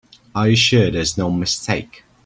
Are you sure there's no mistake?